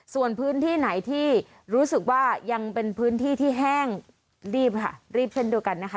ส่วนพื้นที่ไหนที่รู้สึกว่ายังเป็นพื้นที่ที่แห้งรีบค่ะรีบเช่นเดียวกันนะคะ